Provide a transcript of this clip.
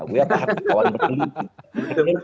buya paham kawan bergelut